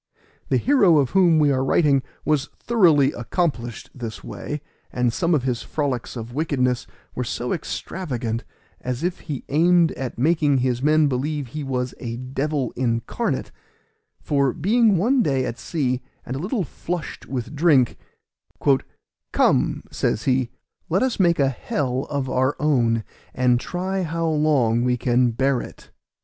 The hero of whom we are writing was thoroughly accomplished this way, and some of his frolics of wickedness were so extravagant, as if he aimed at making his men believe he was a devil incarnate; for being one day at sea, and a little flushed with drink, "Come," says he, "let us make a hell of our own, and try how long we can bear it."